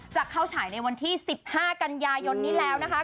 จะเข้าฉายในวันที่๑๕กันยายนนี้แล้วนะคะ